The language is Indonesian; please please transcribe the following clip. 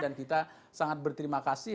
dan kita sangat berterima kasih